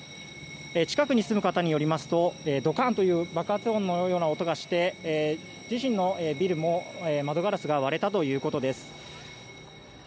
近くに住む方によりますとドカンという爆発音のような音がして自身のビルも窓ガラスが割れたということです。